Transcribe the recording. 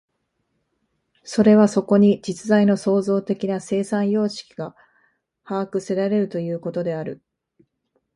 それはそこに実在の創造的な生産様式が把握せられるということである。